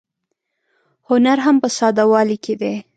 هنر هم په ساده والي کې دی.